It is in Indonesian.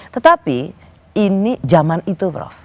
tetapi ini zaman itu prof